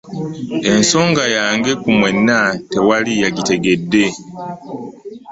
Ensonga yange ku mwenna tewali yagitegedde.